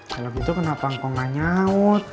kalau gitu kenapa engkau gak nyaut